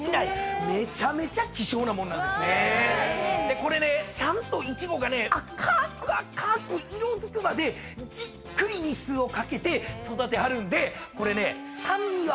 これねちゃんとイチゴが赤く赤く色づくまでじっくり日数をかけて育てはるんでこれね酸味は抑えめ。